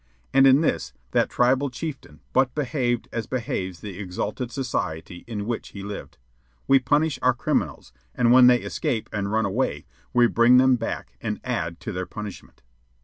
And in this, that tribal chieftain but behaved as behaves the exalted society in which he lived. We punish our criminals, and when they escape and run away, we bring them back and add to their punishment.